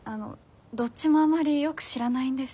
どっちもあまりよく知らないんです。